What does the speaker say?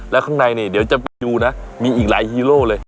แล้วข้างในเนี่ยเดี๋ยวจะไปดูนะมีอีกหลายฮีโร่เลย